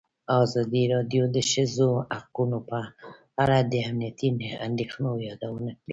ازادي راډیو د د ښځو حقونه په اړه د امنیتي اندېښنو یادونه کړې.